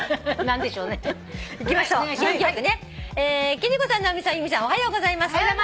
「貴理子さん直美さん由美さんおはようございます」